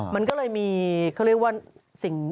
มันก็เลยมีเขาเรียกว่าสิ่งแวดล้อม